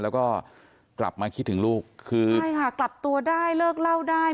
แล้วก็กลับมาคิดถึงลูกคือใช่ค่ะกลับตัวได้เลิกเล่าได้